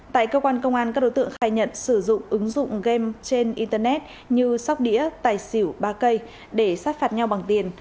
tại cơ quan công an các đối tượng khai nhận sử dụng ứng dụng game trên internet như sóc đĩa tài xỉu ba cây để sát phạt nhau bằng tiền